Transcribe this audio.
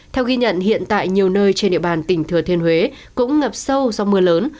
theo ghi nhận hiện tại nhiều nơi trên địa bàn tỉnh thừa thiên huế cũng ngập sâu do mưa lớn